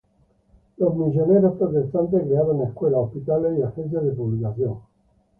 Los misioneros protestantes crearon escuelas, hospitales y agencias de publicación.